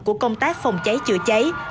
của công tác phòng cháy chữa cháy cứu nạn cứu hộ